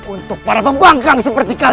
untuk para pembangkang seperti kami